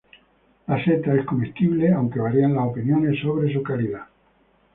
La seta es comestible, aunque varían las opiniones sobre su calidad.